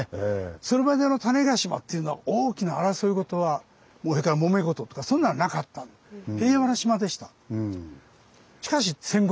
それまでの種子島っていうのは大きな争い事はもめ事とかそんなのなかった平和な島でした。